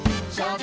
３。